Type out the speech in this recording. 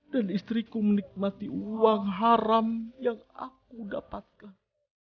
dan istriku menikmati uang haram yang aku dapatkan